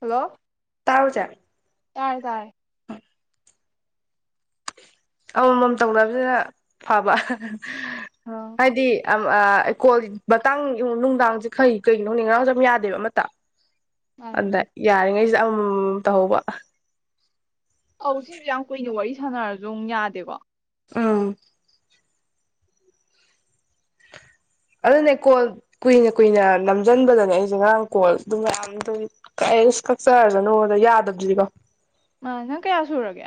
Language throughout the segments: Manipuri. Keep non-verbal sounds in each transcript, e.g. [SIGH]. ꯍꯜꯂꯣ ꯇꯥꯥꯕ꯭ꯔꯣ ꯆꯦ ꯇꯥꯔꯦ ꯇꯥꯔꯦ ꯑꯃꯥ ꯃꯝ ꯇꯧꯅꯕꯁꯤꯗ ꯐꯕ ꯑ ꯍꯥꯏꯗꯤ ꯑꯝ ꯑꯥ ꯀꯣꯜꯒꯤ ꯃꯇꯥꯡ ꯅꯨꯡꯗꯥꯡꯁꯦ ꯀꯩ ꯀꯩꯒꯤꯅꯣ ꯈꯪꯗꯦ ꯉꯥꯔꯥꯡꯁꯨ ꯌꯥꯗꯦꯕ ꯑꯃꯇ ꯃꯥꯅꯦ ꯍꯟꯗꯛ ꯃꯥꯅꯦ ꯌꯥꯔꯤꯉꯩꯁꯤ ꯑꯃ ꯃꯝ ꯇꯧꯍꯧꯕ ꯑꯧ ꯁꯤꯁꯦ ꯌꯥꯝ ꯀꯨꯏꯅ ꯋꯥꯔꯤ ꯁꯥꯟꯅꯔꯁꯨ ꯑꯃꯨꯛ ꯌꯥꯗꯦꯀꯣ ꯎꯝ ꯑꯗꯨꯅꯦ ꯀꯣꯜ ꯀꯨꯏꯅ ꯀꯨꯏꯅ ꯅꯝꯖꯟꯕꯗꯅꯦ ꯑꯩꯁꯦ ꯉꯔꯥꯡ ꯀꯣꯜ ꯑꯗꯨ ꯃꯌꯥꯝꯗꯒꯤ ꯗꯦꯡꯁ ꯀꯛꯆꯔꯁꯅꯣꯅ ꯌꯥꯗꯕꯗꯨꯗꯤꯀꯣ ꯑꯥ ꯅꯪ ꯀꯌꯥ ꯁꯨꯔꯒꯦ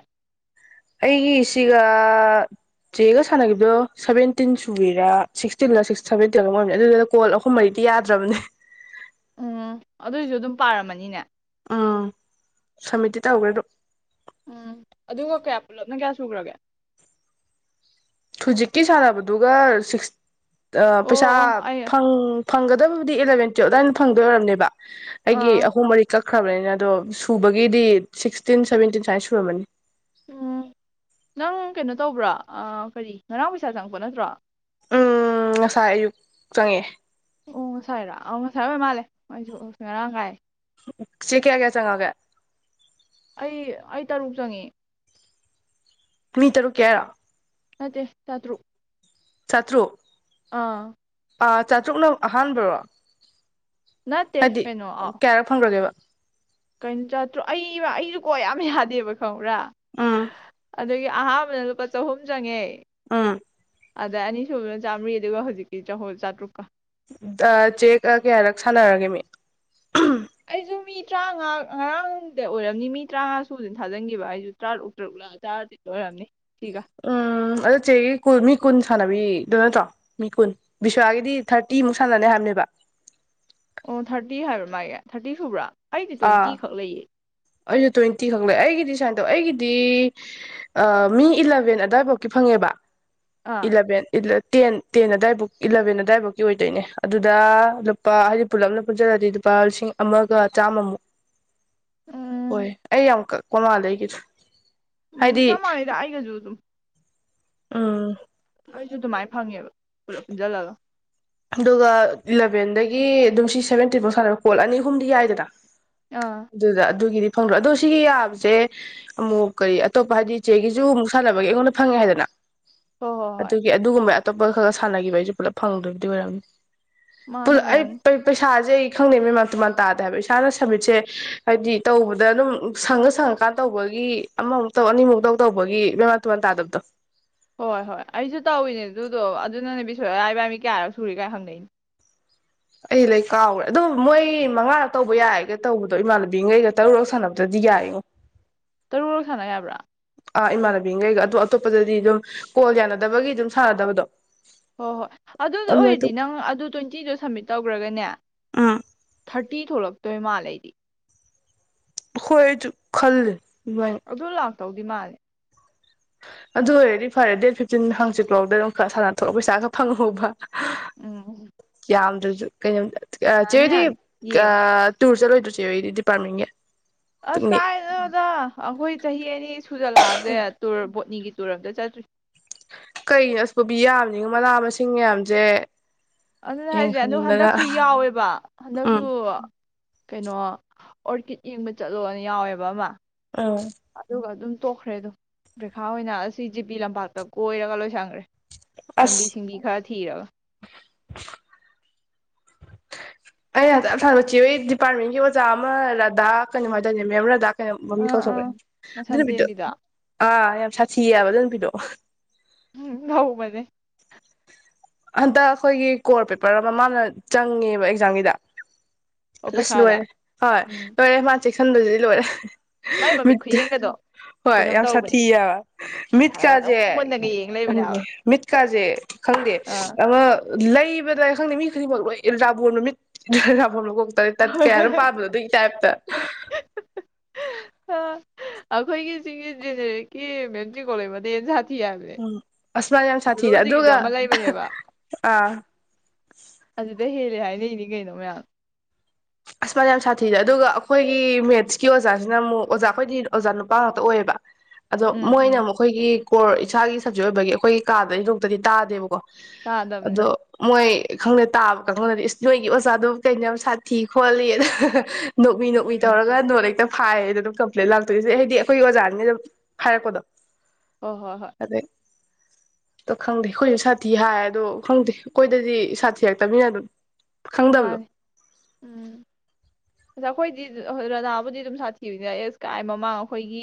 ꯑꯩꯒꯤ ꯁꯤꯒ ꯆꯦꯒ ꯁꯥꯟꯅꯈꯤꯕꯗꯣ ꯁꯚꯦꯟꯇꯤꯟ ꯁꯨꯔꯤꯔꯥ ꯁꯤꯛꯁꯇꯤꯟꯔꯥ ꯁꯚꯦꯟꯇꯤꯟꯔꯥ ꯀꯩꯅꯣꯝ ꯑꯣꯏꯕꯅꯦ ꯑꯗꯨꯗꯨꯅ ꯀꯣꯜ ꯑꯍꯨꯝ ꯃ꯭ꯔꯤꯗꯤ ꯌꯥꯗ꯭ꯔꯥꯕꯅꯦ ꯎꯝ ꯑꯗꯨꯏꯁꯨ ꯑꯗꯨꯝ ꯄꯥꯔꯝꯃꯥꯅꯤꯅꯦ ꯎꯝ ꯁꯥꯃꯤꯠꯇꯤ ꯇꯧꯈ꯭ꯔꯦ ꯑꯗꯣ ꯎꯝ ꯑꯗꯨꯒ ꯀꯌꯥ ꯄꯨꯂꯞꯅ ꯀꯌꯥ ꯁꯨꯈ꯭ꯔꯥꯒꯦ ꯍꯧꯖꯤꯛꯀꯤ ꯁꯥꯟꯅꯕꯗꯨꯒ ꯁꯤꯛꯁ ꯑꯥ ꯑꯣ ꯄꯩꯁꯥ ꯑꯣ ꯑꯩ ꯐꯪ ꯐꯪꯒꯗꯕꯕꯨꯗꯤ ꯑꯦꯂꯕꯦꯟ ꯇꯨꯌꯦꯜꯞ ꯑꯗꯨꯋꯥꯏꯗ ꯑꯗꯨꯝ ꯐꯪꯗꯣꯏ ꯑꯣꯏꯔꯝꯅꯤꯕ ꯑꯩꯒꯤ ꯑꯥ ꯑꯍꯨꯝ ꯃꯔꯤ ꯀꯛ ꯈ꯭ꯔꯕꯅꯤꯅ ꯑꯗꯣ ꯁꯨꯕꯒꯤꯗꯤ ꯁꯤꯛꯁꯇꯤꯟ ꯁꯚꯦꯟꯇꯤꯟ ꯁꯨꯃꯥꯏꯅ ꯁꯨꯔꯝꯃꯅꯤ ꯎꯝ ꯅꯪ ꯀꯩꯅꯣ ꯇꯧꯕ꯭ꯔꯥ ꯀꯔꯤ ꯉꯔꯥꯡ ꯄꯩꯁꯥ ꯆꯪꯉꯛꯄ ꯅꯠꯇ꯭ꯔꯣ ꯎꯝ ꯉꯁꯥꯏ ꯑꯌꯨꯛ ꯆꯪꯉꯦ ꯑꯣ ꯉ ꯁꯥꯏꯔꯥ ꯑꯣ ꯉ ꯁꯥꯏ ꯑꯣꯏꯔ ꯃꯥꯜꯂꯦ ꯑꯩꯁꯨ ꯉꯔꯥꯡ ꯀꯥꯏ ꯁꯤ ꯀꯌꯥ ꯀꯌꯥ ꯆꯪꯉꯛꯑꯒꯦ ꯑꯩ ꯑꯩ ꯇꯔꯨꯛ ꯆꯪꯉꯦ ꯃꯤ ꯇꯔꯨꯛ ꯀꯤ ꯍꯥꯏꯔꯥ ꯅꯠꯇꯦ ꯆꯥꯇꯔꯨꯛ ꯆꯥꯇ꯭ꯔꯨꯨꯛ ꯑꯥ ꯑꯥ ꯆꯥꯇ꯭ꯔꯨꯛꯅ ꯑꯍꯥꯟꯕꯔꯣ ꯅꯠꯇꯦ ꯍꯥꯏꯗꯤ ꯀꯩꯅꯣ ꯀꯌꯥꯔꯛ ꯐꯪꯈ꯭ꯔꯒꯦꯕ ꯀꯩꯝ ꯆꯠꯇ꯭ꯔꯣ ꯑꯩꯕ ꯑꯩꯁꯨ ꯀꯣ ꯌꯥꯝ ꯌꯥꯗꯦꯕ ꯈꯪꯕ꯭ꯔꯥ ꯑꯥ ꯑꯗꯒꯤ ꯑꯍꯥꯟꯕꯗ ꯂꯨꯄꯥ ꯆꯍꯨꯝ ꯆꯪꯉꯦ ꯎꯝ ꯑꯗ ꯑꯅꯤꯁꯨꯕꯅ ꯆꯥꯝꯃꯔꯤ ꯑꯗꯨꯒ ꯍꯧꯖꯤꯛꯀꯤ ꯆꯍꯨꯝ ꯆꯥꯇ꯭ꯔꯨꯛꯀ ꯗ ꯆꯦꯛ ꯀꯌꯥꯔꯛ ꯁꯥꯟꯅꯔꯒꯦ ꯃꯤ ꯑꯩꯁꯨ ꯃꯤ ꯇꯔꯥꯡꯉꯥ ꯉꯔꯥꯡꯗ ꯑꯣꯏꯔꯝꯅꯤ ꯃꯤ ꯇꯔꯥꯡꯉꯥ ꯁꯨꯕꯗ ꯊꯥꯖꯤꯟꯈꯤꯕ ꯑꯩꯁꯨ ꯇꯔꯥ ꯇꯔꯨꯛ ꯇꯔꯥ ꯇꯦꯛꯂ ꯑꯣꯏꯔꯝꯅꯤ ꯁꯤꯒ ꯎꯝ ꯑꯗꯣ ꯆꯦꯒꯤ ꯀꯨꯟ ꯃꯤ ꯀꯨꯟ ꯁꯥꯟꯅꯕꯤꯗ ꯅꯠꯇ꯭ꯔꯣ ꯃꯤ ꯀꯨꯟ ꯕꯤꯁ꯭ꯋꯥꯒꯤꯗꯤ ꯊꯥꯔꯇꯤꯃꯨꯛ ꯁꯥꯟꯅꯅꯤ ꯍꯥꯏꯕꯅꯦꯕ ꯑꯣ ꯊ꯭ꯔꯇꯤ ꯍꯥꯏꯕ꯭ꯔꯥ ꯃꯥꯒꯤ ꯊꯥꯔꯇꯤ ꯁꯨꯕ꯭ꯔꯣ ꯑꯩꯗꯤ ꯑꯥ ꯇ꯭ꯋꯦꯟꯇꯤꯈꯛ ꯂꯩꯌꯦ ꯑꯩꯁꯨ ꯇ꯭ꯋꯦꯟꯇꯤ ꯈꯛ ꯂꯩ ꯑꯩꯒꯤꯗꯤ ꯁꯨꯃꯥꯏꯅ ꯇꯧ ꯑꯩꯒꯤꯗꯤ ꯃꯤ ꯏꯂꯚꯦꯟ ꯑꯋꯥꯏꯐꯥꯎꯀꯤ ꯐꯪꯉꯦꯕ ꯑꯥ ꯏꯂꯕꯦꯟ ꯏꯂ ꯇꯦꯟ ꯇꯦꯟ ꯑꯗꯨꯋꯥꯏꯕꯨ ꯏꯂꯚꯦꯟ ꯑꯗꯥꯋꯥꯏꯕꯨꯀꯤ ꯑꯣꯏꯗꯣꯏꯅꯦ ꯑꯗꯨꯗ ꯂꯨꯄꯥ ꯍꯥꯏꯗꯤ ꯄꯨꯂꯞꯅ ꯄꯨꯟꯁꯤꯜꯂꯗꯤ ꯂꯨꯄꯥ ꯂꯤꯁꯤꯡ ꯑꯃꯒ ꯆꯥꯃꯝ ꯃꯨꯛ ꯎꯝ ꯍꯣꯏ ꯑꯩ ꯌꯥꯝꯀꯛ ꯀꯣꯃꯥꯗꯒꯤꯗꯣ ꯎꯝ ꯆꯞꯃꯥꯅꯩꯗ ꯑꯩꯒꯤꯖꯨ ꯑꯗꯨꯝ ꯑꯝ ꯑꯩꯁꯨ ꯑꯗꯨꯃꯥꯏꯅ ꯐꯪꯉꯦꯕ ꯄꯨꯂꯞ ꯄꯨꯟꯁꯤꯜꯂꯒ ꯑꯗꯨꯒ ꯏꯂꯚꯦꯟꯗꯒꯤ ꯑꯗꯨꯝ ꯁꯤ ꯁꯚꯦꯟꯇꯤꯟꯐꯥꯎ ꯁꯥꯟꯅꯕ ꯀꯣꯜ ꯑꯅꯤ ꯑꯍꯨꯝꯗꯤ ꯌꯥꯏꯗꯅ ꯑꯥ ꯑꯗꯨꯗ ꯑꯗꯨꯒꯤꯗꯤ ꯐꯪꯗ꯭ꯔꯣ ꯑꯗꯣ ꯁꯤꯒꯤ ꯌꯥꯕꯁꯦ ꯑꯃꯨꯛ ꯀꯔꯤ ꯑꯇꯣꯞꯄ ꯍꯥꯏꯗꯤ ꯆꯦꯒꯤꯁꯨ ꯑꯃꯨꯛ ꯁꯥꯟꯅꯕꯒꯤ ꯑꯩꯉꯣꯟꯗ ꯐꯪꯉꯦ ꯍꯥꯏꯗꯅ ꯍꯣꯏ ꯍꯣꯏ ꯍꯣꯏ ꯑꯗꯨꯒꯤ ꯑꯗꯨꯒꯨꯝꯕ ꯑꯇꯣꯞꯄ ꯈꯔꯥ ꯁꯥꯟꯅꯈꯤꯕꯩꯁꯨ ꯄꯨꯂꯞ ꯐꯪꯗꯣꯏꯅꯤ ꯑꯣꯏꯔꯝ ꯄꯨ ꯃꯥꯅꯦ ꯑꯩ ꯑꯣꯏꯔꯝꯅꯤ ꯄꯩꯁꯥꯖꯦ ꯈꯪꯗꯦ ꯃꯦꯝꯥꯟ ꯇꯨꯃꯥꯟ ꯇꯥꯗꯦꯕ ꯍꯥꯏꯕ ꯏꯁꯥꯅ ꯁꯕꯃꯤꯠꯁꯦ ꯍꯥꯏꯕꯗꯤ ꯇꯧꯕꯗ ꯑꯗꯨꯝ ꯁꯪꯉ ꯁꯪꯉꯀꯥꯟ ꯇꯧꯕꯒꯤ ꯑꯃꯃꯨꯛ ꯇꯧ ꯑꯅꯤꯃꯨꯛ ꯇꯧ ꯇꯧꯕꯒꯤ ꯃꯦꯃꯥꯟ ꯇꯨꯃꯥꯟ ꯇꯥꯗꯕꯗꯣ ꯍꯣꯏ ꯍꯣꯏ ꯑꯩꯁꯨ ꯇꯧꯏꯤꯅꯦ ꯑꯗꯨꯗꯣ ꯑꯗꯨꯅꯅꯦ ꯕꯤꯁꯣꯏꯔꯤꯌꯥ ꯏꯕꯥꯅꯤ ꯀꯌꯥꯔꯛ ꯁꯨꯔꯦ ꯀꯥꯏ ꯍꯪꯅꯩꯅꯤ ꯑꯩ ꯂꯩ ꯀꯥꯎꯈꯔꯦ ꯑꯗꯨꯗꯣ ꯃꯣꯏ ꯃꯉꯥꯔ ꯇꯧꯕ ꯌꯥꯏꯒ ꯇꯧꯕꯗꯣ ꯏꯃꯥꯟꯅꯕꯤꯒꯩꯒ ꯇꯔꯨꯛꯔꯛ ꯁꯥꯟꯅꯕꯗꯗꯤ ꯌꯥꯏꯉꯣ ꯇꯔꯨꯔꯛ ꯁꯥꯟꯅ ꯌꯥꯕ꯭ꯔꯥ ꯑꯥ ꯏꯃꯥꯟꯅꯕꯤꯒꯩꯒ ꯑꯗꯣ ꯑꯇꯣꯞꯄꯗꯗꯤ ꯑꯗꯨꯝ ꯀꯣꯜ ꯌꯥꯅꯗꯕꯒꯤ ꯑꯗꯨꯝ ꯁꯥꯟꯅꯗꯕꯗꯣ ꯍꯣꯏ ꯍꯣꯏ ꯑꯗꯨꯗꯣ ꯑꯗꯨꯃꯥꯏꯅ ꯑꯣꯏꯔꯗꯤ ꯅꯪ ꯑꯗꯨ ꯇ꯭ꯋꯦꯟꯇꯤꯗꯣ ꯁꯃꯤꯠ ꯇꯧꯈ꯭ꯔꯒꯅꯦ ꯎꯝ ꯊꯥꯔꯇꯤ ꯊꯣꯛꯂꯛꯇꯣꯏ ꯃꯥꯜꯂꯦ ꯑꯩꯗꯤ ꯍꯣꯏ ꯑꯩꯖꯨ ꯈꯜꯂꯤꯅꯦ ꯑꯗꯨ ꯂꯥꯛ ꯇꯧꯗꯤ ꯃꯥꯜꯂꯦ ꯑꯗꯨ ꯑꯣꯏꯔꯗꯤ ꯐꯔꯦ ꯗꯦꯠ ꯐꯤꯞꯇꯤꯟ ꯍꯪꯆꯤꯛꯐꯥꯎꯗꯤ ꯑꯗꯨꯝ ꯈꯔ ꯁꯥꯟꯅ ꯊꯣꯛꯑꯒ ꯄꯩꯁꯥ ꯈꯔ ꯐꯪꯍꯧꯕ ꯎꯝ ꯌꯥꯝꯗ꯭ꯔꯁꯨ ꯀꯩꯅꯣ ꯌꯥꯅꯤ ꯆꯦꯗꯤ ꯌꯥꯅꯤ ꯌꯦꯡꯉꯣ ꯑꯥ ꯇꯨꯔ ꯆꯂꯣꯏ ꯗꯣ ꯆꯦ ꯍꯣꯏꯗꯤ ꯗꯤꯄꯥꯔꯠꯃꯦꯟꯒꯤ ꯑꯁ ꯄꯤꯛꯅꯤꯛ ꯀꯥꯏꯗꯩꯅꯣꯗ ꯑꯩꯈꯣꯏ ꯆꯍꯤ ꯑꯅꯤ ꯁꯨꯖꯜꯂꯛꯑꯕꯁꯦ ꯇꯨꯔ ꯕꯣꯠꯅꯤꯒꯤ ꯇꯨꯔ ꯑꯝꯇ ꯆꯠꯇ꯭ꯔꯤ ꯀꯩꯅꯣ ꯁꯨꯕꯤ ꯌꯥꯝꯅꯤꯉꯣ ꯃꯅꯥ ꯃꯁꯤꯡ ꯃꯌꯥꯝꯁꯦ ꯑꯗꯨꯅ ꯍꯥꯏꯁꯦ ꯑꯗꯨ ꯌꯦꯡꯍꯟꯗꯅ ꯍꯟꯗꯛꯁꯨ ꯌꯥꯎꯋꯦꯕ ꯍꯟꯗꯛꯁꯨ ꯎꯝ ꯀꯩꯅꯣ ꯑꯣꯔꯀꯤꯠ ꯌꯦꯡꯕ ꯆꯠꯂꯣꯅ ꯌꯥꯎꯋꯦꯕ ꯑꯃ ꯎꯝ ꯑꯗꯨꯒ ꯑꯗꯨꯝ ꯇꯣꯛꯈ꯭ꯔꯦ ꯑꯗꯨꯝ ꯄꯩꯈꯥ ꯑꯣꯏꯅ ꯑꯁꯤ ꯖꯤꯄꯤ ꯂꯝꯄꯥꯛꯇ ꯀꯣꯏꯔꯒ ꯂꯣꯏꯁꯟꯈ꯭ꯔꯦ ꯄꯟꯕꯤ ꯑꯁ ꯁꯤꯡꯕꯤ ꯈꯔ ꯊꯤꯔꯒ [INAUDIBLE] ꯑꯩ ꯍꯟꯗ ꯌꯥꯝ ꯁꯥꯎꯅꯤꯡꯕ ꯆꯦꯍꯣꯏ ꯗꯤꯄꯥꯔꯠꯃꯦꯟꯒꯤ ꯑꯣꯖꯥ ꯑꯃ ꯔꯥꯙꯥ ꯀꯩꯅꯣꯝ ꯍꯥꯏꯗꯥꯏꯅꯦ ꯃꯦꯝ ꯔꯥꯙꯥ ꯀꯩ ꯃꯃꯤꯡ ꯑꯥ ꯀꯥꯎꯊꯣꯛꯈ꯭ꯔꯦ ꯑꯥ ꯑꯗꯨ ꯃꯁꯝ ꯅꯨꯃꯤꯠꯇꯨ ꯇꯦꯟꯕꯤꯗꯣ ꯑꯥ ꯌꯥꯝ ꯁꯥꯊꯤꯌꯥꯕ ꯑꯗꯨ ꯅꯨꯄꯤꯗꯣ ꯎꯝ ꯉꯧꯕꯅꯦ ꯍꯟꯗꯛ ꯑꯩꯈꯣꯏꯒꯤ ꯀꯣꯔ ꯄꯦꯄꯔ ꯑꯃ ꯃꯥꯅ ꯆꯪꯉꯦꯕ ꯑꯦꯛꯖꯥꯝꯒꯤꯗ ꯑꯣ ꯑꯁ ꯂꯣꯏꯔꯦ ꯄꯩꯈꯥꯗ ꯍꯣꯏ ꯎꯝ ꯂꯣꯏꯔꯦ ꯃꯥ ꯆꯦꯛꯁꯟꯕꯗꯨꯗꯤ ꯂꯣꯏꯔꯦ ꯃꯥꯏ ꯃꯃꯤꯠ ꯈꯨꯌꯦꯡꯒꯗꯣ [INAUDIBLE] ꯍꯣꯏ ꯀꯩꯅꯣꯝ ꯌꯥꯝ ꯇꯧꯕꯅꯦ ꯁꯥꯊꯤ ꯍꯥꯏꯕ ꯍꯥꯟꯅꯒ ꯑꯗꯨꯝ ꯃꯤꯠꯀꯥꯁꯦ ꯃꯨꯟꯅꯒ ꯌꯦꯡ ꯂꯩꯕꯅꯦ ꯈꯪꯗꯦ ꯍꯥꯏꯕ ꯃꯤꯠꯀꯥꯁꯦ ꯈꯪꯗꯦ ꯑꯥ ꯑꯃ ꯂꯩꯕꯗꯣ ꯑꯩ ꯈꯪꯗꯦ ꯃꯤ ꯈꯨꯗꯤꯡꯃꯛ ꯂꯣꯏ ꯑꯦꯜ ꯔꯥꯕꯣꯟ ꯃꯃꯤꯠ ꯔꯥꯕꯣꯟ ꯃꯀꯣꯛ ꯇꯔꯦꯠ ꯇꯠ ꯀꯌꯥꯅꯣꯝ ꯄꯥꯟꯕꯗꯣ ꯑꯗꯨꯒꯤ ꯇꯥꯏꯞꯇ ꯑꯁ ꯑꯩꯈꯣꯏꯒꯤ ꯁꯤꯒꯤ ꯖꯦꯅꯦꯔꯦꯠꯀꯤ ꯃꯦꯝ ꯆꯤꯡꯒꯣꯡꯂꯩꯃꯗꯩ ꯍꯦꯟ ꯁꯥꯠ ꯎꯝ ꯑꯁꯨꯃꯥꯏꯅ ꯌꯥꯝ ꯁꯥꯊꯤꯒ ꯑꯗꯨꯒ ꯑꯃ ꯂꯩꯕꯅꯦꯕ ꯑꯥ ꯍꯥꯏꯔꯛꯏꯅꯤ ꯀꯩꯅꯣ ꯃꯌꯥꯝ ꯑꯁꯃꯥꯏꯅ ꯌꯥꯝ ꯁꯥꯊꯤꯔꯦ ꯑꯗꯨꯒ ꯑꯩꯈꯣꯏꯒꯤ ꯃꯦꯠꯁꯀꯤ ꯑꯣꯖꯥꯁꯤꯅ ꯑꯃꯨꯛ ꯑꯣꯖꯥ ꯑꯩꯈꯣꯏꯗꯤ ꯑꯣꯖꯥ ꯅꯨꯄꯥ ꯉꯥꯛꯇ ꯑꯣꯏꯌꯦꯕ ꯑꯗꯣ ꯎꯝ ꯃꯣꯏꯅ ꯎꯝ ꯑꯃꯨꯛ ꯑꯩꯈꯣꯏꯒꯤ ꯀꯣꯔ ꯏꯁꯥꯒꯤ ꯁꯕꯖꯦꯛ ꯑꯣꯏꯕꯒꯤ ꯑꯩꯈꯣꯏꯒꯤ ꯀꯥꯗꯗꯒꯤ ꯒ꯭ꯔꯨꯞꯇꯗꯤ ꯇꯥꯗꯦꯕꯀꯣ ꯇꯥꯗꯕꯅꯦ ꯑꯗꯣ ꯃꯣꯏ ꯈꯪꯗꯦ ꯇꯥꯕ ꯀꯥꯡꯕꯨꯅꯗꯤ ꯅꯣꯏꯒꯤ ꯑꯣꯖꯥꯗꯨꯕꯨ ꯀꯩꯅꯣ ꯁꯥꯊꯤ ꯈꯣꯠꯂꯤ ꯍꯥ ꯍꯥ ꯍꯥ ꯅꯣꯛꯃꯤ ꯎꯝ ꯅꯣꯛꯃꯤ ꯎꯝ ꯇꯧꯔꯒ ꯅꯣꯠ ꯍꯦꯛꯇ ꯐꯥꯏꯌꯦꯅ ꯑꯗꯨꯝ ꯀꯝꯄ꯭ꯂꯦꯟ ꯂꯥꯛꯇꯣꯏꯁꯦ ꯍꯥꯏꯗꯤ ꯑꯩꯈꯣꯏꯒꯤ ꯑꯣꯖꯥꯅꯤꯅ ꯑꯗꯨꯝ ꯍꯥꯏꯔꯛꯄꯗꯣ ꯍꯣꯏ ꯍꯣꯏ ꯍꯣꯏ ꯑꯗꯩ ꯑꯗꯣ ꯈꯪꯗꯦ ꯑꯩꯈꯣꯏꯁꯨ ꯁꯥꯊꯤ ꯍꯥꯏ ꯑꯗꯣ ꯈꯪꯗꯦ ꯑꯩꯈꯣꯏꯗꯗꯤ ꯁꯥꯊꯤꯔꯛꯇꯅꯤꯅ ꯑꯗꯨꯝ ꯈꯪꯗꯕꯗꯣ ꯃꯥꯅꯦ ꯎꯝ ꯑꯗ ꯑꯩꯈꯣꯏꯗꯤ ꯔꯥꯙꯥꯕꯨꯗꯤ ꯑꯗꯨꯝ ꯁꯥꯊꯤꯕꯅꯤꯅ ꯑꯦꯁ ꯀꯥꯏ ꯃꯃꯥꯡ ꯑꯩꯈꯣꯏꯒꯤ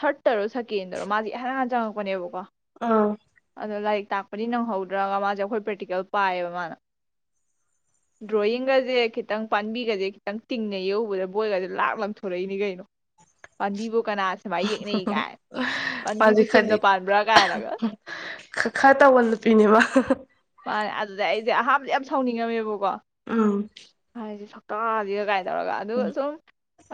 ꯊꯥꯔꯗ ꯔꯣ ꯁꯥꯀꯦꯟꯗꯔꯣ ꯃꯥꯒꯤ ꯏꯍꯥꯟ ꯍꯥꯟꯅ ꯆꯪꯉꯛ [UNINTELLIGIBLE] ꯑꯗꯣ ꯂꯥꯏꯛ ꯇꯥꯛꯄꯗꯤ ꯅꯪꯍꯧꯗ꯭ꯔꯕ ꯃꯥꯁꯦ ꯑꯩꯈꯣꯏ ꯄ꯭ꯔꯦꯛꯇꯤꯀꯦꯜ ꯄꯥꯏꯌꯦꯕ ꯃꯥꯅ ꯗ꯭ꯔꯣꯌꯤꯡꯒꯁꯦ ꯈꯤꯇꯪ ꯄꯥꯟꯕꯤꯒꯁꯦ ꯈꯤꯇꯪ ꯇꯤꯡꯅ ꯌꯦꯛꯎꯕꯗ ꯕꯣꯏꯒꯖꯦ ꯂꯥꯛ ꯑ ꯂꯪꯊꯣꯔꯛꯏꯅꯤ ꯀꯩꯅꯣ ꯄꯥꯝꯕꯤꯕꯨ ꯃꯥꯖꯦ ꯄꯥꯟꯕꯤꯕꯨ ꯆꯨꯝꯅ ꯈꯔꯗꯤ ꯄꯥꯟꯕ꯭ꯔꯥ ꯀꯥꯏꯅꯒ ꯈ ꯈꯔ ꯇꯧꯕ ꯅꯨꯄꯤꯅꯦꯕ ꯃꯥꯅꯦ ꯑꯗꯨꯗ ꯑꯩꯗꯤ ꯑꯍꯥꯟꯕꯗ ꯌꯥꯝ ꯁꯥꯎꯅꯤꯡꯉꯝꯃꯦꯕ ꯀꯣ ꯎꯝ ꯍꯥꯏꯗꯤ ꯇꯥꯗꯦ ꯀꯥꯏꯅ ꯇꯧꯔꯒ ꯑꯗꯨ ꯁꯨꯝ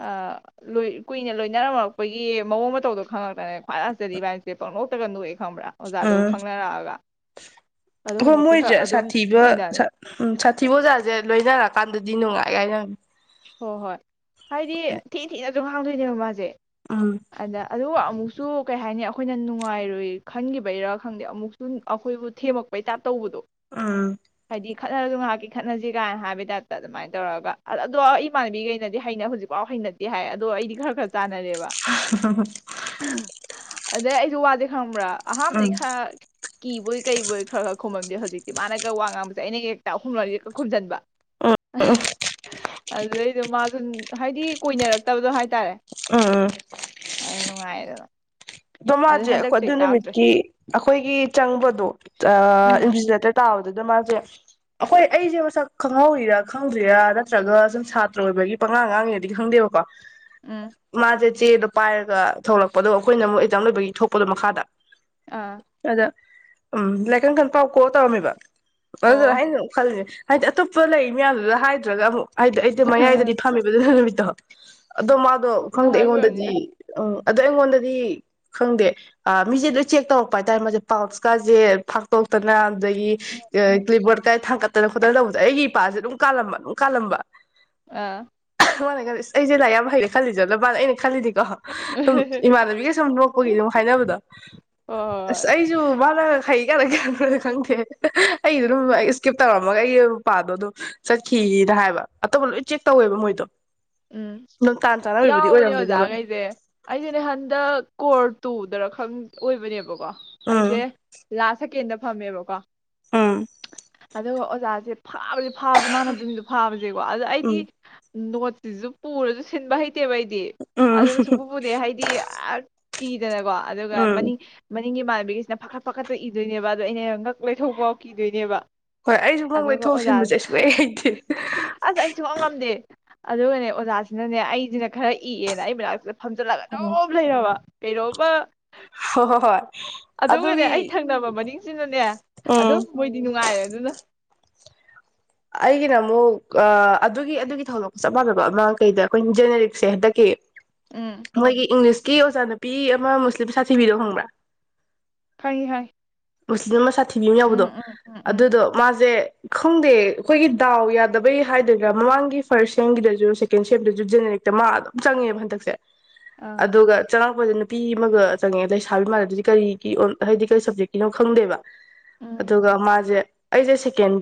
ꯑꯥ ꯂꯣꯏ ꯀꯨꯏꯅ ꯂꯣꯏꯅꯔꯝꯃꯛꯄꯒꯤ ꯃꯑꯣꯡ ꯃꯇꯧꯗꯣ ꯈꯪꯉꯛꯇꯅꯦ ꯈ꯭ꯋꯥꯏ ꯂꯁꯇꯗꯤ ꯏꯕꯥꯅꯤꯁꯦ ꯄꯪꯅꯣꯛꯇꯒ ꯅꯣꯛꯑꯦ ꯈꯪꯕ꯭ꯔꯥ ꯑꯣꯖꯥꯗꯨꯒ ꯎꯝ ꯈꯪꯅꯔꯛꯑꯒ ꯑꯗꯣ ꯍꯣꯏ ꯍꯧꯖꯤꯛꯇꯤ ꯈꯔ ꯃꯣꯏꯁꯦ ꯑꯗꯨꯝ ꯁꯥꯠꯊꯤꯕ ꯇꯤꯟꯅꯔꯦ ꯁ ꯎꯝ ꯁꯥꯠꯊꯤꯕ ꯑꯣꯖꯥꯖꯦ ꯂꯣꯏꯅꯔꯀꯥꯟꯗꯗꯤ ꯅꯨꯡꯉꯥꯏ ꯍꯥꯏꯅꯕꯅꯦ ꯍꯣ ꯍꯣꯏ ꯍꯥꯏꯗꯤ ꯊꯤ ꯊꯤꯅ ꯑꯗꯨꯝ ꯉꯥꯡꯗꯣꯏꯅꯦꯕ ꯃꯥꯁꯦ ꯎꯝ ꯑꯗ ꯑꯗꯨꯒ ꯑꯃꯨꯛꯁꯨ ꯀꯩ ꯍꯥꯏꯅꯤ ꯑꯩꯈꯣꯏꯅ ꯅꯨꯡꯉꯥꯏꯔꯣꯏ ꯈꯟꯒꯤꯕꯩꯔꯥ ꯈꯪꯗꯦ ꯑꯃꯨꯛꯁꯨ ꯑꯩꯈꯣꯏꯕꯨ ꯊꯦꯝꯃꯛꯄꯩ ꯇꯥꯏꯞ ꯇꯧꯕꯗꯣ ꯎꯝ ꯍꯥꯏꯗꯤ ꯈꯠꯅꯔꯁꯨ ꯉꯥꯍꯥꯛꯀꯤ ꯈꯠꯅꯁꯦ ꯀꯥꯏꯅ ꯍꯥꯏꯕꯩ ꯇꯥꯏꯞꯇ ꯑꯗꯨꯃꯥꯏꯅ ꯇꯧꯔꯒ ꯑ ꯑꯗꯣ ꯑꯩꯏ ꯏꯃꯥꯟꯅꯕꯤꯈꯩꯅꯗꯤ ꯍꯩꯅ ꯍꯧꯖꯤꯛꯐꯥꯎ ꯍꯩꯅꯗꯦ ꯍꯥꯏ ꯑꯗꯣ ꯑꯩꯗꯤ ꯈꯔ ꯈꯔ ꯇꯥꯟꯅꯔꯦꯕ ꯎꯝ ꯑꯗꯩ ꯑꯩ [UNINTELLIGIBLE] ꯈꯪꯕꯔꯥ ꯑꯍꯥꯟꯕꯗꯤ ꯎꯝ ꯈꯔ ꯀꯤꯕꯣꯏ ꯀꯩꯕꯣꯏ ꯈꯔ ꯈꯔ ꯈꯨꯝꯃꯝꯗꯦ ꯍꯧꯖꯤꯛꯇꯤ ꯃꯥꯅꯒ ꯋꯥ ꯉꯥꯡꯕꯁꯦ ꯑꯩꯅ ꯍꯦꯛꯇ ꯑꯍꯨꯝꯂꯛ ꯑꯅꯤꯔꯛꯀ ꯈꯨꯝꯖꯤꯟꯕ [UNINTELLIGIBLE] ꯑꯗꯨ ꯃꯥꯁꯨ ꯍꯥꯏꯗꯤ ꯀꯣꯏꯅꯔꯛꯇꯕꯗꯣ ꯍꯥꯏꯇꯥꯔꯦ ꯎꯝ ꯑꯗꯨ ꯅꯨꯡꯉꯥꯏꯌꯦ ꯑꯗꯨꯅ ꯗꯣ ꯃꯥꯖꯦ ꯑꯩꯈꯣꯏ ꯑꯗꯨ ꯅꯨꯃꯤꯠꯀꯤ ꯑꯩꯈꯣꯏꯒꯤ ꯆꯪꯕꯗꯣ ꯑꯥ ꯎꯝ ꯏꯟꯚꯖꯤꯂꯦꯇꯔ ꯇꯥꯕꯗꯨ ꯑꯗ ꯃꯥꯁꯦ ꯑꯩꯈꯣꯏ ꯑꯩꯁꯦ ꯃꯁꯛ ꯈꯪꯍꯧꯔꯤꯔꯥ ꯈꯪꯗ꯭ꯔꯤꯔꯥ ꯅꯠꯇ꯭ꯔꯒ ꯁꯨꯝ ꯁꯥꯇ꯭ꯔ ꯑꯣꯏꯕꯒꯤ ꯄꯉꯥꯡ ꯉꯥꯡꯉꯤꯔꯗꯤ ꯈꯪꯗꯦꯕꯀꯣ ꯎꯝ ꯃꯥꯖꯦ ꯆꯦꯗꯣ ꯄꯥꯏꯔꯒ ꯊꯣꯛꯂꯛꯄꯗꯣ ꯑꯩꯈꯣꯏꯅ ꯑꯃꯨꯛ ꯖꯥꯝ ꯂꯣꯏꯕꯒꯤ ꯊꯣꯛꯄꯗꯣ ꯃꯈꯥꯗ ꯑꯥ ꯑꯗ ꯎꯝ ꯂꯥꯛꯏꯀꯟ ꯀꯟ ꯄꯥꯎ ꯀꯣ ꯇꯧꯔꯝꯃꯤꯕ ꯑꯗꯨꯗ ꯑꯣ ꯑꯩꯅ ꯑꯗꯨꯡ ꯈꯜꯂꯦ ꯍꯥꯏꯗꯤ ꯑꯇꯣꯞꯄ ꯂꯩ ꯃꯌꯥꯝꯗꯨꯗ ꯍꯥꯏꯗ꯭ꯔꯒ ꯑꯃꯨꯛ ꯍꯥꯏꯗꯣ ꯑꯩꯗꯣ ꯃꯌꯥꯏꯗꯗꯤ ꯐꯝꯃꯤꯕ ꯑꯗꯨ ꯅꯨꯃꯤ [UNINTELLIGIBLE] ꯑꯗꯣ ꯃꯥꯗꯣ ꯆꯨꯝꯅ ꯈꯪꯗꯦ ꯍꯥꯏꯕ ꯑꯩꯉꯣꯟꯗꯗꯤ ꯑꯣꯏꯔꯝꯅꯤꯗ ꯑ ꯑꯗꯣ ꯑꯩꯉꯣꯟꯗꯗꯤ ꯈꯪꯗꯦ ꯑ ꯃꯤꯁꯦ ꯂꯣꯏ ꯆꯦꯛ ꯇꯧꯔꯛꯄ ꯍꯥꯏꯇꯥꯔꯦ ꯃꯥꯁꯦ ꯄꯥꯎꯁꯀꯁꯦ ꯐꯥꯛꯇꯣꯛꯇꯅ ꯑꯗꯒꯤ ꯑ ꯎꯝ ꯀ꯭ꯂꯤꯞꯕꯣꯔꯠ ꯀꯥ ꯊꯥꯡꯒꯠ ꯇꯅ ꯈꯣꯠꯇꯅ ꯇꯧꯕꯗꯣ ꯑꯩꯒꯤ ꯏꯄꯥꯁꯦ ꯑꯗꯨꯝ ꯀꯥꯜꯂꯝꯕ ꯑꯗꯨꯝ ꯀꯥꯜꯂꯝꯕ ꯑꯥ ꯑꯉꯥꯡꯅꯦ ꯑꯩꯁꯦ ꯂꯥꯏꯔꯤꯛ ꯌꯥꯝ ꯍꯩꯔꯦ ꯈꯜꯂꯤꯖꯥꯠꯂꯥ ꯃ ꯑꯩꯅ ꯈꯜꯂꯤꯅꯤ ꯑ ꯍ ꯍꯣꯏ ꯍꯣꯏ ꯏꯃꯥꯟꯅꯕꯤꯒ ꯁꯨꯝ ꯅꯣꯛ ꯍꯨꯏꯅ ꯑꯗꯨꯝ ꯍꯥꯏꯅꯕꯗꯣ ꯑꯁ ꯍꯣꯏ ꯑꯩꯁꯨ ꯃꯥꯅ ꯐꯩ ꯀꯥꯏꯅ ꯀꯟꯕ꯭ꯔ ꯈꯪꯗꯦ ꯑꯩꯗꯣ ꯑꯗꯨꯝ ꯑꯩ ꯏꯁꯀꯤꯞ ꯇꯧꯔꯝꯃꯒ ꯑꯩꯒꯤ ꯃꯄꯥꯗꯣ ꯑꯗꯨꯝ ꯆꯠꯈꯤꯌꯤꯅ ꯍꯥꯏꯕ ꯑꯇꯣꯞꯄ ꯂꯣꯏ ꯆꯦꯛ ꯇꯧꯋꯦꯕ ꯃꯣꯏꯗꯣ ꯎꯝ ꯑꯗꯨꯝ ꯇꯥꯟ ꯆꯥꯟꯅꯕꯕꯨꯗꯤ ꯌꯥꯎꯕꯅꯦ ꯑꯣꯏꯔꯝꯗꯣꯏꯅꯦꯕ ꯑꯣꯖꯥꯈꯩꯁꯦ ꯑꯩꯁꯨꯅꯦ ꯍꯟꯗꯛ ꯀꯣꯔꯠ ꯇꯨꯗꯔ ꯈꯪ ꯑꯣꯏꯕꯅꯦꯕꯀꯣ ꯎꯝ ꯑꯩꯁꯦ ꯂꯥꯁ ꯁꯦꯀꯦꯟꯗ ꯐꯝꯃꯦꯕꯀꯣ ꯎꯝ ꯑꯗꯨꯒ ꯑꯣꯖꯥꯁꯦ ꯐꯥꯕꯁꯦ ꯐꯥꯕꯁꯤ ꯃꯥꯅ ꯑꯗꯨꯅꯨꯃꯤꯠꯇ ꯐꯥꯕꯁꯦ ꯀꯣ ꯑꯗ ꯑꯩꯗꯤ ꯎꯝ ꯅꯣꯠ ꯁꯤꯁꯨ ꯄꯨꯔꯁꯨ ꯁꯤꯟꯕ ꯍꯩ ꯇꯦꯕ ꯑꯩꯗꯤ ꯎꯝ ꯑꯗꯨꯅ ꯁꯨꯄꯨꯄꯨꯗꯦ ꯍꯥꯏꯗꯤ ꯑꯁ ꯀꯤ ꯅꯀꯣ ꯑꯗꯨꯒ ꯎꯝ ꯃꯅꯤꯡ ꯃꯅꯤ ꯅꯪꯒꯤ ꯏꯃꯥꯟꯅꯕꯤꯒꯩꯁꯤꯅ ꯐꯥꯈꯠ ꯐꯥꯈꯠꯇ ꯏꯗꯣꯏꯅꯦꯕ ꯑꯗꯣ ꯑꯩꯅ ꯉꯛ ꯂꯩꯊꯣꯛ ꯐꯥꯎ ꯀꯤꯗꯣꯏꯅꯦꯕ ꯍꯣꯏ ꯑꯩꯁꯨ ꯈꯪꯕꯣꯏ ꯑꯗꯨꯒ ꯑꯣꯖꯥ ꯊꯣꯛꯁꯤꯟꯕꯁꯦ ꯁꯨꯡꯍꯩ ꯍꯩꯇꯦ ꯑꯁ ꯑꯩ ꯁꯨꯡꯉꯝ ꯉꯝꯗꯦ ꯑꯗꯨꯒꯅꯦ ꯑꯣꯖꯥꯁꯤꯅꯅꯦ ꯑꯩꯁꯤꯅ ꯈꯔ ꯏꯑꯦꯅ ꯑꯩ ꯃꯅꯥꯛꯁꯤꯗ ꯐꯝꯖꯜꯂꯒ ꯑꯣ ꯑꯗꯨꯝ ꯂꯩꯔꯕ ꯀꯩꯅꯣꯡꯃꯥ ꯍꯣ ꯍꯣ ꯍꯣꯏ ꯑꯗꯨꯒꯅꯦ ꯑꯗꯨꯒꯤ ꯑꯩ ꯊꯪꯅꯕ ꯃꯅꯤꯡꯁꯤꯅꯅꯦ ꯎꯝ ꯑꯗꯨꯝ ꯃꯣꯏꯗꯤ ꯅꯨꯡꯉꯥꯏꯔꯦ ꯑꯗꯨꯅ ꯑꯩꯒꯤꯅ ꯑꯃꯨꯛ ꯑ ꯑꯗꯨꯒꯤ ꯑꯗꯨꯒꯤ ꯊꯧꯗꯣꯛ ꯆꯞ ꯃꯥꯟꯅꯕ ꯑꯃ ꯀꯩꯗ ꯑꯩꯈꯣꯏ ꯖꯦꯅꯦꯔꯦꯛꯁꯦ ꯍꯟꯗꯛꯀꯤ ꯎꯝ ꯃꯣꯏꯒꯤ ꯏꯪꯂꯤꯁ ꯀ ꯑꯣꯖꯥ ꯅꯨꯄꯤ ꯑꯃ ꯃꯨꯁꯂꯤꯝ ꯁꯥꯊꯤꯕꯤꯗꯣ ꯍꯪꯕ꯭ꯔꯥ ꯈꯪꯉꯦ ꯈꯪꯉꯦ ꯃꯨꯁꯂꯤꯝ ꯃ ꯁꯥꯠꯇ ꯊꯤꯕꯤ ꯃ ꯌꯥꯎꯕꯗꯣ ꯎꯝ ꯑꯗꯨꯗꯣ ꯃꯥꯁꯦ ꯈꯪꯗꯦ ꯑꯩꯈꯣꯏꯒꯤ ꯗꯥꯎ ꯌꯥꯗꯕꯩ ꯍꯥꯏꯗꯣꯏꯔꯥ ꯃꯃꯥꯡꯒꯤ ꯐꯥꯔꯁ ꯁꯦꯝꯒꯤꯗꯁꯨ ꯁꯦꯀꯦꯟ ꯁꯦꯝꯗꯁꯨ ꯖꯦꯅꯦꯔꯤꯛꯇ ꯃꯥ ꯑꯗꯨꯝ ꯆꯪꯉꯦꯕ ꯍꯟꯗꯛꯁꯦ ꯑꯥ ꯑꯗꯨꯒ ꯆꯔꯥꯎ ꯑꯧꯕꯗꯨ ꯅꯨꯄꯤ ꯑꯃꯒ ꯆꯪꯉꯛꯑꯦ ꯂꯩꯁꯥꯕꯤ ꯃꯥꯜꯂꯦ ꯑꯗꯨꯗꯤ ꯀꯔꯤꯒꯤ ꯑꯨ ꯍꯥꯏꯗꯤ ꯀꯩ ꯁꯞꯖꯦꯛꯀꯤꯅꯣ ꯈꯪꯗꯦꯕ ꯎꯝ ꯑꯗꯨꯒ ꯃꯥꯁꯦ ꯑꯩꯁꯦ ꯁꯦꯀꯦꯟ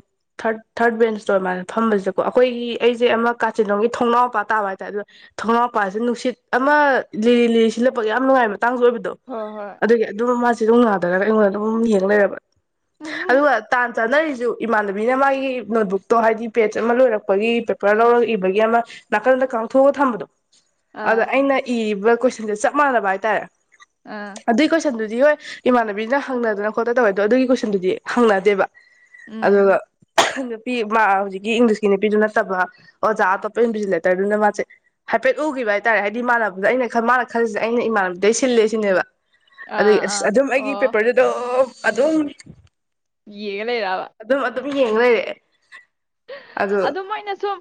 ꯊꯥꯔꯠ ꯊꯥꯔꯠ ꯕꯦꯟꯁꯇꯣ ꯑꯃꯥꯏꯅ ꯐꯝꯕꯁꯤꯗꯀꯣ ꯑꯩꯈꯣꯏꯒꯤ ꯑꯩꯁꯦ ꯑꯃ ꯀꯥꯆꯤꯟꯂꯣꯝꯒꯤ ꯊꯣꯛꯅꯥꯎ ꯃꯄꯥ ꯇꯥꯕ ꯍꯥꯏꯇꯥꯔꯦ ꯑꯗꯣ ꯊꯣꯡꯅꯥꯎꯄꯥꯁꯤ ꯅꯨꯡꯁꯤꯠ ꯑꯃ ꯂꯤꯔꯤ ꯂꯤꯔꯤ ꯁꯤꯜꯂꯛꯄꯒꯤ ꯌꯥꯝ ꯅꯨꯡꯉꯥꯏꯕ ꯃꯇꯥꯡꯁꯨ ꯑꯣꯏꯕꯗꯣ ꯍꯣꯏ ꯍꯣꯏ ꯑꯗꯨꯒꯤ ꯑꯗꯨꯝ ꯃꯥ ꯁꯤ ꯗꯨꯝ ꯉꯥꯗꯔꯒ ꯑꯩꯉꯣꯟꯗ ꯑꯗꯨꯝ ꯌꯦꯡ ꯂꯩꯔꯥꯕ ꯑꯗꯨꯒ ꯇꯥꯟ ꯆꯥꯅꯔꯤꯁꯨ ꯏꯃꯥꯟꯅꯕꯤꯅ ꯃꯥꯒꯤ ꯅꯣꯠꯕꯨꯛꯇꯣ ꯍꯥꯏꯗꯤ ꯄꯦꯖ ꯑꯃ ꯂꯣꯏꯔꯛꯄꯒꯤ ꯄꯦꯄꯔ ꯂꯧꯔ ꯏꯕꯒꯤ ꯑꯃ ꯅꯥꯀꯟꯗ ꯀꯥꯡꯊꯣꯛꯑꯒ ꯊꯝꯕꯗꯣ ꯑꯗ ꯑꯥ ꯑꯩꯅ ꯏꯔꯤꯕ ꯀꯣꯏꯁꯟꯁꯦ ꯆꯞ ꯃꯥꯟꯅꯕ ꯍꯥꯏꯇꯥꯔꯦ ꯑꯥ ꯑꯗꯨꯏ ꯀꯣꯏꯁꯟ ꯗꯨ ꯗꯤ ꯍꯣꯏ ꯏꯃꯥꯟꯅꯕꯤꯅ ꯍꯪꯅꯗꯅ ꯈꯣꯠꯇꯅ ꯇꯧꯋꯦꯗꯣ ꯑꯗꯨꯒꯤ ꯀꯣꯏꯁꯟꯗꯨꯗꯤ ꯍꯪꯅꯗꯦꯕ ꯎꯝ ꯑꯗꯨꯒ [UNINTELLIGIBLE] ꯅꯨꯄꯤ ꯃꯥ ꯍꯧꯖꯤꯛꯀꯤ ꯏꯪꯂꯤꯁꯀꯤ ꯅꯨꯄꯤꯗꯨ ꯅꯠꯇꯕ ꯑꯣꯖꯥ ꯑꯇꯣꯞꯄ ꯏꯟꯚꯖꯤꯂꯦꯇꯔꯗꯨꯅ ꯃꯥꯁꯦ ꯍꯥꯏꯐꯦꯠ ꯎꯒꯤꯕ ꯍꯥꯏꯇꯥꯔꯦ ꯍꯥꯏꯗꯤ ꯃꯥꯟꯅꯕꯗꯨꯗ ꯑꯩꯅ ꯃꯥꯅ ꯈꯜꯂꯤꯁꯦ ꯑꯩꯅ ꯏꯃꯥꯟꯅꯕꯤꯗꯩ ꯁꯤꯜꯂꯦ ꯁꯤꯅꯦꯕ ꯑꯥ ꯑꯗꯩ ꯑꯥ ꯑꯁ ꯑꯗꯨꯝ ꯑꯩꯒꯤ ꯑꯣ ꯄꯦꯄꯔꯖꯦ ꯗꯨꯝ ꯑꯗꯨꯝ ꯌꯦꯞ [UNINTELLIGIBLE] ꯗꯨꯝ ꯌꯦꯡꯉ ꯂꯩꯔꯦ ꯑꯗꯨ ꯃꯣꯏꯅ ꯁꯨꯝ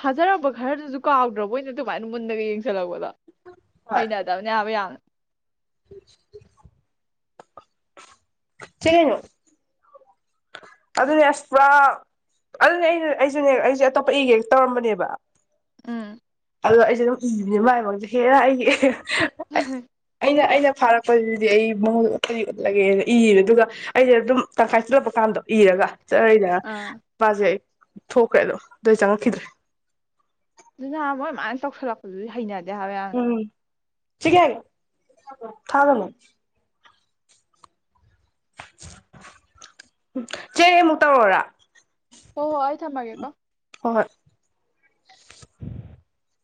ꯐꯥꯖꯔꯝꯕ ꯈꯔꯗꯨꯁꯨ ꯀꯥꯎ ꯃꯣꯏꯅ ꯑꯗꯨꯃꯥꯏꯅ ꯃꯨꯟꯅꯒ ꯌꯦꯡꯁꯤꯜꯂꯛꯄꯗꯣ ꯍꯣꯏ ꯍꯩꯅꯗꯥꯕꯅꯦ ꯍꯥꯏꯕ ꯌꯥꯝꯅ [INAUDIBLE] [UNINTELLIGIBLE] ꯑꯗꯨꯅꯦ ꯑꯁ ꯄꯨꯔꯥ ꯑꯗꯨꯅꯦ ꯑꯩ ꯑꯩꯁꯨꯅꯦ ꯑꯩꯁꯦ ꯑꯇꯣꯞꯄ ꯏꯒꯦ ꯍꯦꯛ ꯇꯧꯔꯝꯕꯅꯦꯕ ꯎꯝ ꯑꯗꯣ ꯑꯩꯁꯦ ꯑꯗꯨꯝ ꯏꯕꯅꯤ ꯃꯥꯏ ꯃꯥꯡ ꯍꯦꯔꯥ ꯑꯩꯒꯤ ꯑꯍꯦ ꯑꯩꯅ ꯑꯩꯅ ꯐꯥꯔꯛꯄꯗꯨꯗꯤ ꯑꯩ ꯃꯉꯣꯟ ꯎꯠꯇꯗꯤ ꯎꯠꯂꯒꯦꯅ ꯏꯌꯦꯕ ꯑꯗꯨꯒ ꯑꯩꯁꯦ ꯑꯗꯨꯝ ꯇꯪꯈꯥꯏ ꯆꯜꯂꯛꯄ ꯀꯥꯟꯗꯣ ꯏꯔꯒ ꯆꯠꯔꯏꯗꯅ ꯑꯥ ꯄꯖꯩ ꯊꯣꯛꯈ꯭ꯔꯦꯗꯣ ꯑꯗꯨ ꯑꯩ ꯆꯪꯉꯛꯈꯤꯗ꯭ꯔꯦ ꯗꯨꯅ ꯃꯣꯏ ꯃꯥꯅ ꯇꯧꯁꯜꯂꯛꯄꯗꯨꯗꯤ ꯍꯩꯅ ꯗꯦꯍꯥꯏꯕ ꯌꯥꯝꯅ ꯎꯝ ꯁꯤ ꯀꯦꯟ ꯊꯥꯔꯨꯅꯣ ꯆꯦ ꯑꯩꯃꯨꯛ ꯇꯧꯔꯣꯔ ꯍꯣꯍꯣꯏ ꯊꯝꯃꯥꯒꯦꯀꯣ [INAUDIBLE]